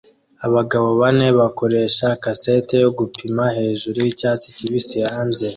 Abagabo bane bakoresha kaseti yo gupima hejuru yicyatsi kibisi hanze